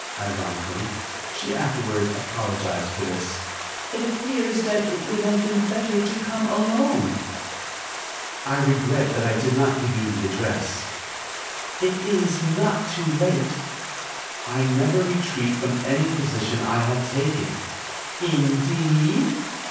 ironically. (She afterward apologized for this.) "It appears that it would have been better to come alone." "I regret I did not give you the address." "It is not too late." "I never retreat from any position I have taken." "Indeed?"